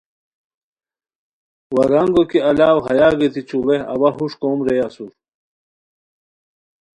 ورانگو کی الاؤ ہیاگیتی چوڑے اوا ہوݰ کوم رے اسور